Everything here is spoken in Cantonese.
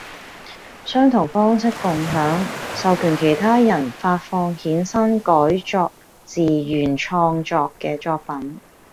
相同方式共享，授權其他人發放衍生改作自原創嘅作品